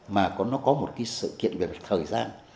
mà nó có một sự kiện về thời gian